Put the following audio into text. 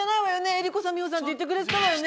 「江里子さん美穂さん」って言ってくれてたわよね？